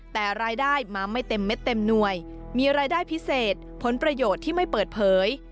แต่รายได้มาไม่เต็มเม็ดเต็มหน่วยมีรายได้พิเศษผลประโยชน์ที่ไม่เปิดเผย